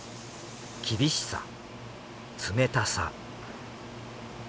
厳しさ冷たさ。